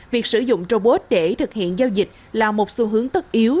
việc sử dụng robot để thực hiện giao dịch là một xu hướng tất yếu